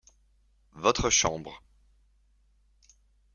Votre chambre.